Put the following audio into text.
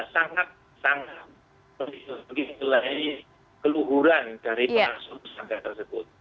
sangat sangat begitu begitu lagi keluhuran dari para santri santri tersebut